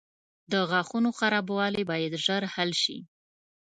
• د غاښونو خرابوالی باید ژر حل شي.